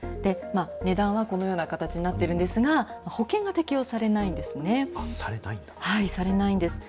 値段はこのような形になっているんですが、保険が適用されないんですね。